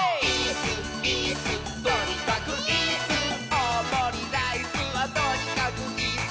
「おおもりライスはとにかくイス！」